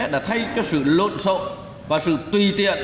đã thay cho sự lộn xộn và sự tùy tiện